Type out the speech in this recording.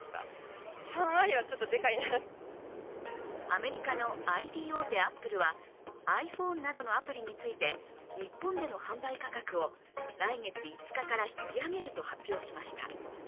アメリカのＩＴ大手アップルはｉＰｈｏｎｅなどのアプリについて日本での販売価格を来月５日から引き上げると発表しました。